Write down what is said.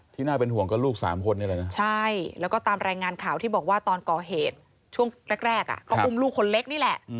น่าเป็นห่วงก็ลูกสามคนนี่แหละนะใช่แล้วก็ตามรายงานข่าวที่บอกว่าตอนก่อเหตุช่วงแรกก็อุ้มลูกคนเล็กนี่แหละ